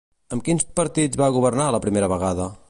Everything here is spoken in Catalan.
Amb quins partits va governar la primera vegada?